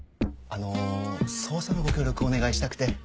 あの捜査のご協力をお願いしたくて。